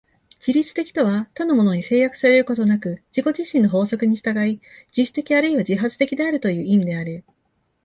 自律的とは他のものに制約されることなく自己自身の法則に従い、自主的あるいは自発的であるという意味である。